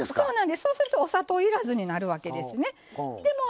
そうするとお砂糖いらずになるわけですね。